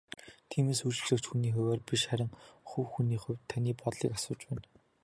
Тиймээс үйлчлэгч хүний хувиар биш харин хувь хүний хувьд таны бодлыг асууж байна.